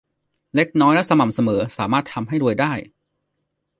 เล็กน้อยและสม่ำเสมอสามารถทำให้รวยได้